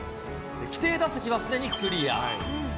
規定打席はすでにクリア。